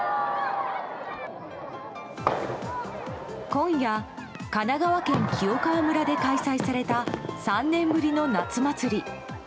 今夜、神奈川県清川村で開催された３年ぶりの夏祭り。